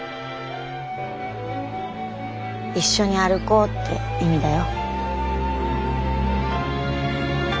一緒に歩こうって意味だよ。